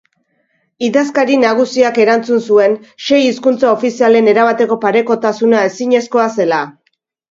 Idazkari nagusiak erantzun zuen sei hizkuntza ofizialen erabateko parekotasuna ezinezkoa zela.